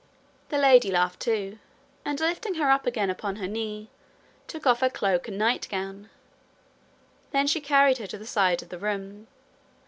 The lady laughed too, and lifting her again upon her knee, took off her cloak and night gown. Then she carried her to the side of the room.